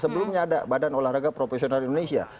sebelumnya ada badan olahraga profesional indonesia